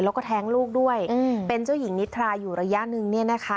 แล้วก็แท้งลูกด้วยเป็นเจ้าหญิงนิทราอยู่ระยะหนึ่งเนี่ยนะคะ